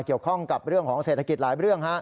เกี่ยวข้องกับเรื่องของเศรษฐกิจหลายเรื่อง